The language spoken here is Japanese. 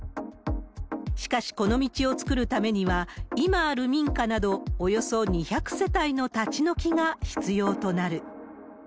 しかし、この道を造るためには、今ある民家など、およそ２００世帯の立ち退きが必要となる。